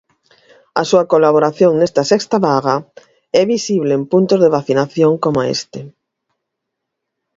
A súa colaboración nesta sexta vaga é visible en puntos de vacinación coma este.